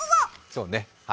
そうね。